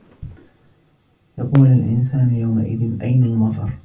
يَقُولُ الْإِنْسَانُ يَوْمَئِذٍ أَيْنَ الْمَفَرُّ